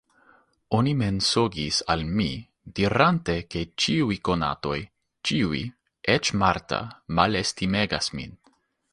Oni mensogis al mi, dirante, ke ĉiuj konatoj, ĉiuj, eĉ Marta, malestimegas min.